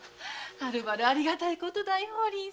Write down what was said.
はるばるありがたいことだよ。